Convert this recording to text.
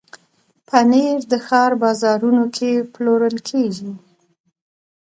پنېر د ښار بازارونو کې پلورل کېږي.